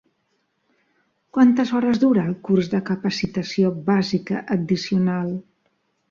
Quantes hores dura el curs de capacitació bàsica addicional?